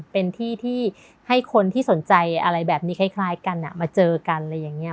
เป็นที่ที่ให้คนที่สนใจอะไรแบบนี้คล้ายกันมาเจอกันอะไรอย่างนี้